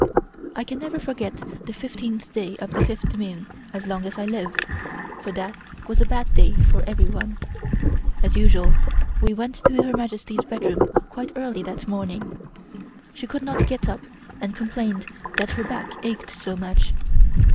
I can never forget the fifteenth day of the fifth moon as long as I live, for that was a bad day for everyone. As usual we went to Her Majesty's bedroom quite early that morning. She could not get up and complained that her back ached so much.